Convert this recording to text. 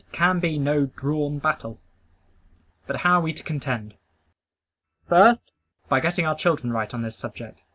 It can be no "drawn battle." But how are we to contend? First, by getting our children right on this subject.